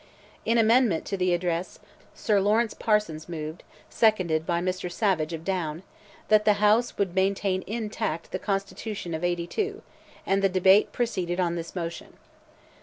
In amendment to the address, Sir Lawrence Parsons moved, seconded by Mr. Savage of Down, that the House would maintain intact the Constitution of '82, and the debate proceeded on this motion.